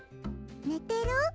ねてる？